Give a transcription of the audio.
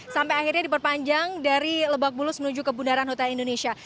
sampai akhirnya diperpanjang dari lebak bulus menuju ke bundaran hotel indonesia